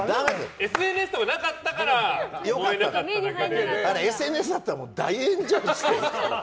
ＳＮＳとかなかったからＳＮＳがあったら大炎上でしたよ。